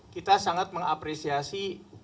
kita sangat mengapresiasi